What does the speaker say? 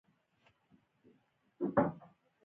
بريا د هغه چا په برخه کېږي چې د ګټلو فکر لري.